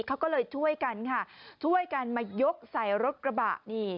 เขาก็เลยช่วยกันค่ะช่วยกันมายกใส่รถกระบะนี่